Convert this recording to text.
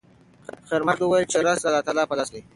خیر محمد وویل چې رزق د الله په لاس کې دی.